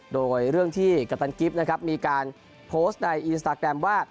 โดยเรื่องที่กัปตันกิฟต์นะครับมีการโพสต์ในอินสตาแกรมว่า